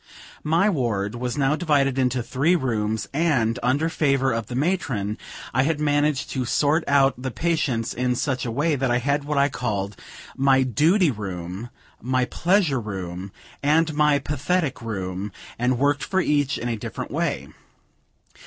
My ward was now divided into three rooms; and, under favor of the matron, I had managed to sort out the patients in such a way that I had what I called, "my duty room," my "pleasure room," and my "pathetic room," and worked for each in a different way.